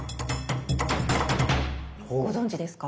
ご存じですか？